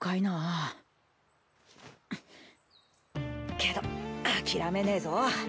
けど諦めねえぞ。